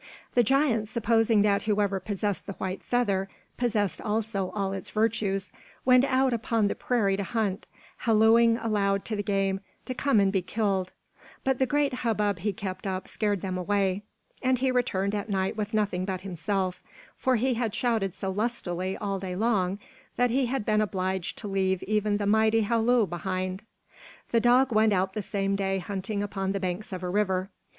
The giant, supposing that whoever possessed the white feather possessed also all its virtues, went out upon the prairie to hunt, hallooing aloud to the game to come and be killed; but the great hubbub he kept up scared them away, and he returned at night with nothing but himself; for he had shouted so lustily all day long that he had been obliged to leave even the mighty halloo behind. The dog went out the same day hunting upon the banks of a river.